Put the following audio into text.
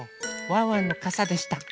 ワンワンのかさでした。